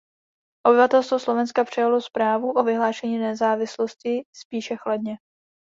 Obyvatelstvo Slovenska přijalo zprávu o vyhlášení nezávislosti spíše chladně.